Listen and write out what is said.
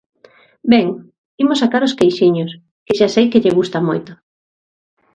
Ben, imos sacar os queixiños, que xa sei que lle gusta moito.